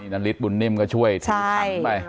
นาริสบุญนิ่มก็ช่วยถือถังไป